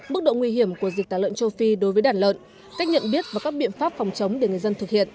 mức độ nguy hiểm của dịch tả lợn châu phi đối với đàn lợn cách nhận biết và các biện pháp phòng chống để người dân thực hiện